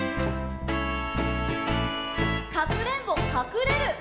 「かくれんぼかくれる」